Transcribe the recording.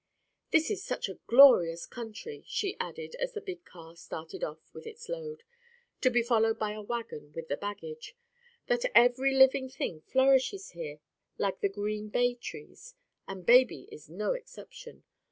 "This is such a glorious country," she added as the big car started off with its load, to be followed by a wagon with the baggage, "that every living thing flourishes here like the green bay trees—and baby is no exception.